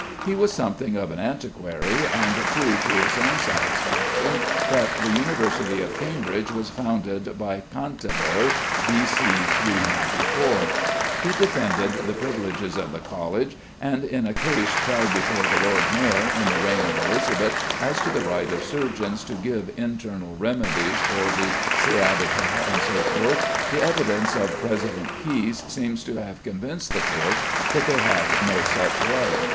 He was something of an antiquary, and proved to his own satisfaction that the University of Cambridge was founded by "Cantaber," B.C. 394. He defended the privileges of the College, and in a case tried before the Lord Mayor in the reign of Elizabeth as to the right of surgeons to give internal remedies for the sciatica, &c., the evidence of President Caius seems to have convinced the Court that they had no such right.